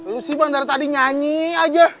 lu sih bang dari tadi nyanyi aja